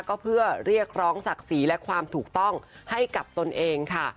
ก็เพื่อเรียกร้องศักดิ์ศรีและความถูกต้องให้กับตนเองค่ะ